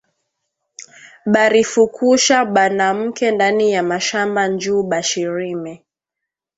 Barifukusha banamuke ndani ya mashamba njuu bashi rime